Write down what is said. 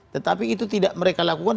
tetapi itu tidak mereka lakukan